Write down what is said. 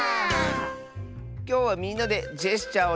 きょうはみんなでジェスチャーをしてあそぶよ！